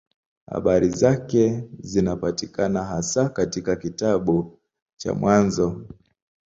Habari zake zinapatikana hasa katika kitabu cha Mwanzo.